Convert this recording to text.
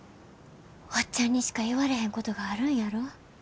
おっちゃんにしか言われへんことがあるんやろ？